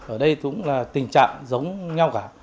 ở đây cũng là tình trạng giống nhau cả